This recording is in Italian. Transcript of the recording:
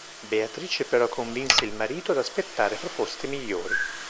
Beatrice però convinse il marito ad aspettare proposte migliori.